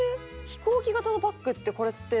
飛行機形のバッグってこれって。